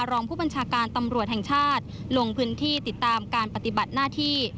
รองผู้บัญชาการตำรวจแห่งชาติลงพื้นที่ติดตามการปฏิบัติหน้าที่